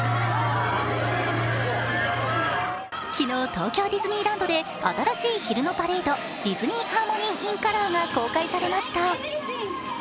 昨日、東京ディズニーランドで新しい昼のパレード、ディズニー・ハーモニー・イン・カラーが公開されました。